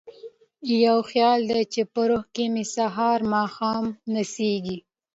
یو خیال دی چې په روح کې مې سهار ماښام نڅیږي